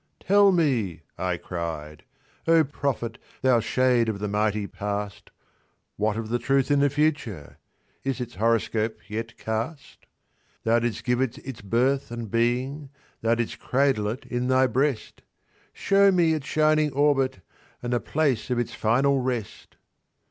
"Tell me," I cried, "O Prophet, thou shade of the mighty Past, What of the Truth in the future ? Is its horoscope yet cast? Thou didst give it its birth and being, thou didst cradle it in thy breast Show me its shining orbit, and the place of its final rest!"